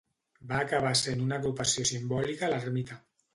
Va acabar sent una agrupació simbòlica a l'ermita.